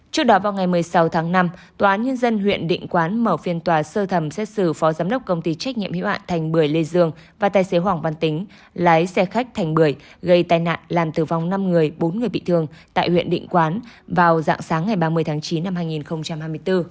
trước đó vào ngày một mươi sáu tháng năm tòa án nhân dân huyện định quán mở phiên tòa sơ thẩm xét xử phó giám đốc công ty trách nhiệm hiệu ạn thành bưởi lê dương và tài xế hoàng văn tính lái xe khách thành bưởi gây tai nạn làm tử vong năm người bốn người bị thương tại huyện định quán vào dạng sáng ngày ba mươi tháng chín năm hai nghìn hai mươi bốn